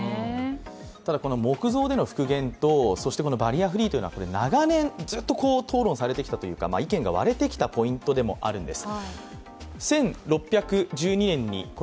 ただ木造での復元とバリアフリーというのは長年、討論されてきたというか、意見が割れてきたポイントでもあるんです。